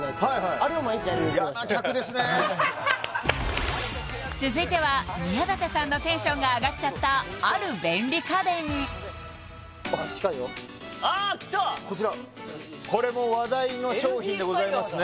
あれを続いては宮舘さんのテンションが上がっちゃったある便利家電あーきたこちらこれも話題の商品でございますね